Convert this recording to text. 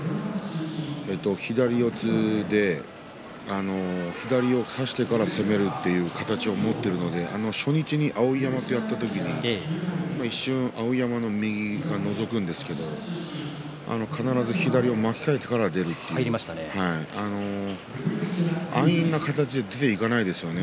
左四つで左を差してから攻めるという形を持っているので初日に碧山とやった時に一瞬、碧山の右がのぞくんですけれども必ず左を巻き替えてから出るというね安易な形で出ていかないですよね。